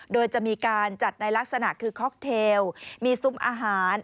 โดยจะมีการจัดในลักษณะคือค็อกเทลมีซุ้มอาหาร